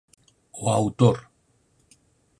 O autor